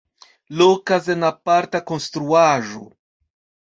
Lokas en aparta konstruaĵo.